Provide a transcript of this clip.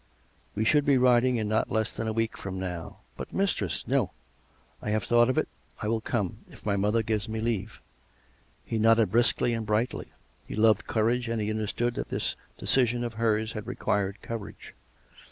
"" We should be riding in not less than a week from now. But, mistress "" No, I have thought of it. I will come — if my mother gives me leave." He nodded briskly and brightly. He loved courage, and he understood that this decision of hers had required courage.